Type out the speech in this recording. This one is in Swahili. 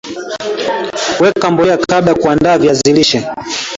Weka mbolea kabla ya kuanda viazi lishe